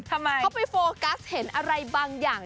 ทำไมเขาไปโฟกัสเห็นอะไรบางอย่าง